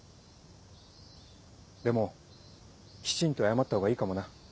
でもきちんと謝ったほうがいいかもな。